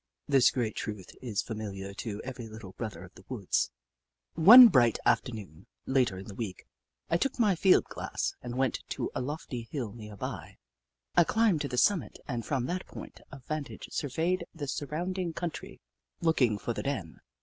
This great truth is familiar to every Little Brother of the Woods. One bright afternoon, later in the week, I took my field glass and went to a lofty hill Hoop La 145 near by. I climbed to the summit and from that point of vantage surveyed the surround ing country, looking for the den.